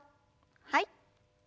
はい。